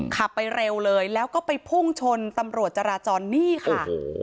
ขับไปเร็วเลยแล้วก็ไปพุ่งชนตำรวจจราจรนี่ค่ะ